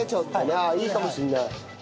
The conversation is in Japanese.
ああいいかもしれない。